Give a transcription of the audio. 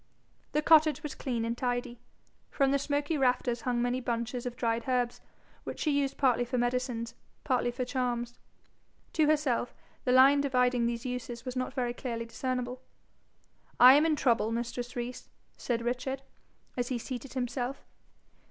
The cottage was clean and tidy. From the smoky rafters hung many bunches of dried herbs, which she used partly for medicines, partly for charms. To herself, the line dividing these uses was not very clearly discernible. 'I am in trouble, mistress Rees,' said Richard, as he seated himself.